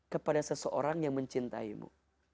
kepada seseorang yang mencintaimu